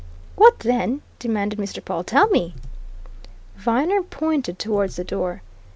"What, then?" demanded Mr. Pawle. "Tell me!" Viner pointed towards the door.